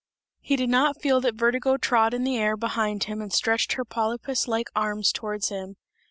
He did not feel that Vertigo trod in the air behind him and stretched her polypus like arms towards him.